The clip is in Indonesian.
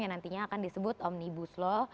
yang nantinya akan disebut omnibus law